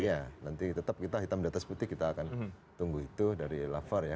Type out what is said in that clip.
iya nanti tetap kita hitam di atas putih kita akan tunggu itu dari lavar ya